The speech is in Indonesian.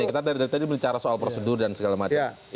kita dari tadi bicara soal prosedur dan segala macam